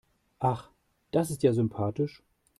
Ach, das ist ja sympathisch.